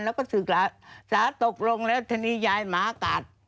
แล้วก็ศึกษาสาตกลงแล้วทีนี้ยายหมากัด